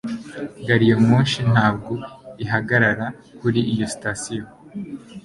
Gariyamoshi ntabwo ihagarara kuri iyo sitasiyo.